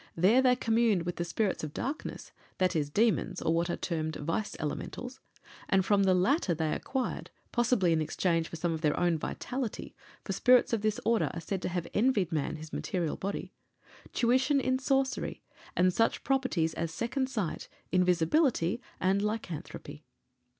There they communed with the spirits of darkness, i.e., demons, or what are also termed Vice Elementals; and from the latter they acquired possibly in exchange for some of their own vitality, for spirits of this order are said to have envied man his material body tuition in sorcery, and such properties as second sight, invisibility, and lycanthropy.